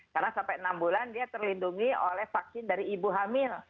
karena sampai enam bulan dia terlindungi oleh vaksin dari ibu hamil